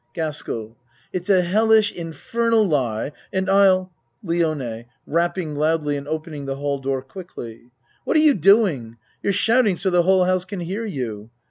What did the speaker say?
GASKELL It's a hellish, infernal lie and I'll LlONE (Rapping loudly and opening the hall door quickly.) What are you doing? You're shout ing so the whole house can hear you.